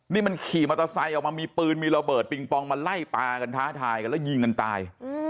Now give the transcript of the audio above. นี่มันขี่มอเตอร์ไซค์ออกมามีปืนมีระเบิดปิงปองมาไล่ปลากันท้าทายกันแล้วยิงกันตาย